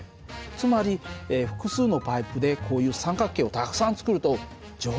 つまり複数のパイプでこういう三角形をたくさん作ると丈夫になるんだね。